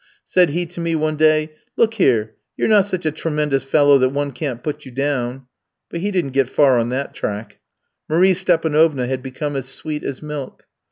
Said he to me one day: 'Look here, you're not such a tremendous fellow that one can't put you down;' but he didn't get far on that track. Marie Stépanovna had become as sweet as milk.